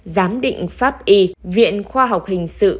giám định pháp y viện khoa học hình sự